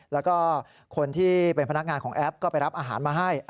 แล้วก็คนที่เป็นพนักงานของแอปก็ไปรับอาหารมาให้